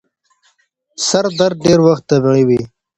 سردرد ډير وخت طبیعي وي.